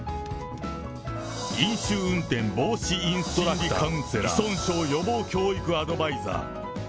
飲酒運転防止インストラクター、心理カウンセラー、依存症予防教育アドバイザー。